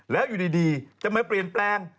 แล้วอยู่ดีจะมาเปลี่ยนแปลง